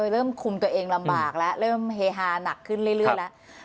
เริ่มคุมตัวเองลำบากแล้วเริ่มเฮฮาหนักขึ้นเรื่อยแล้ว